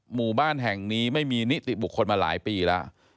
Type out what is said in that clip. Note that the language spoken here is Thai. หมู่บ้านแห่งนี้ไม่มีนิติบุคคลมาหลายปีแล้ว